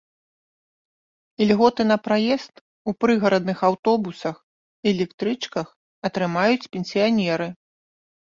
Ільготы на праезд у прыгарадных аўтобусах і электрычках атрымаюць пенсіянеры.